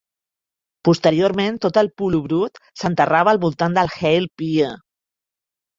Posteriorment, tot el pulu brut s'enterrava al voltant del hale pea.